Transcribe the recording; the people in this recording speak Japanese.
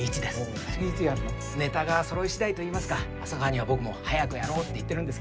ネタがそろいしだいといいますか浅川には僕も早くやろうって言ってるんですけど。